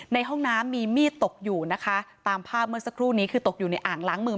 ในห้องน้ำมีมีดตกอยู่นะคะตามภาพเมื่อสักครู่นี้คือตกอยู่ในอ่างล้างมือ